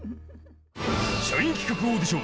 社員企画オーディション